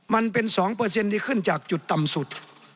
มันเป็น๒ที่ขึ้นจากจุดต่ำสุด